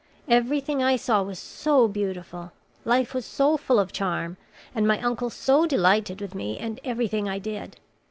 Everything I saw was so beautiful! Life was so full of charm, and my uncle so delighted with me and everything I did!